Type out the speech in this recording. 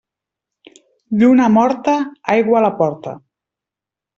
Lluna morta, aigua a la porta.